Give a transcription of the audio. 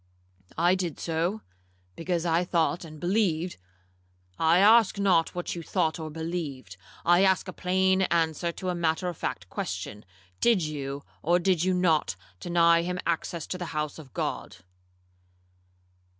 '—'I did so, because I thought and believed—' 'I ask not what you thought or believed; I ask a plain answer to a matter of fact question. Did you, or did you not, deny him access to the house of God?'